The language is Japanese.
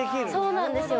そうなんですよ。